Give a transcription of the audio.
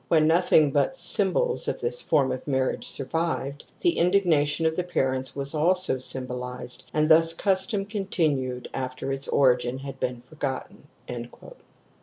When nothing but symbols of this form of marriage survived, the indignation of the parents was also symbolized and this custom continued after its origin had been forgotten."